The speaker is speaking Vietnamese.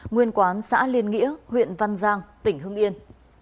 nguyên quán xã liên nghĩa huyện văn giang tỉnh hưng yên